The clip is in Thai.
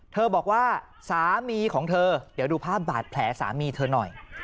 บอกว่าสามีของเธอเดี๋ยวดูภาพบาดแผลสามีเธอหน่อย